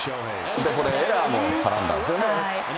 これ、エラーも絡んだんですよね。